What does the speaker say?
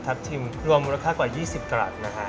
ทับทิมรวมมูลค่ากว่า๒๐กรัมนะฮะ